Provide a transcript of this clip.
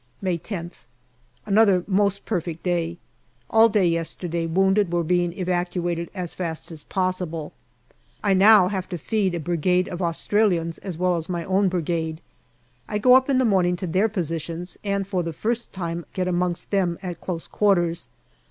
May 10th. Another most perfect day. All day yesterday wounded were being evacuated as fast as possible. I now have to feed a Brigade of Australians as well as my own Brigade. I go up in the morning to their positions, and for the first time get amongst them at close quarters.